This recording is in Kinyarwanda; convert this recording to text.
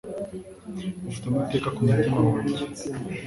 Ufite amateka ku mutima wanjye